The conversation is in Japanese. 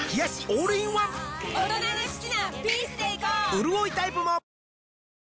うるおいタイプもあら！